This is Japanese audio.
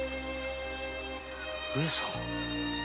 上様？